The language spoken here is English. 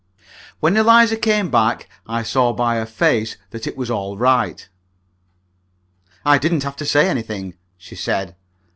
When Eliza came back, I saw by her face that it was all right. "I didn't have to say anything," she said.